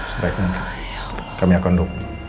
sebaiknya kami akan dukung